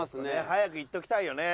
早くいっておきたいよね。